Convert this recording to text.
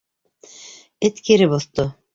Эт кире боҫто.